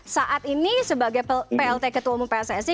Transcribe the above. saat ini sebagai plt ketua umum pssi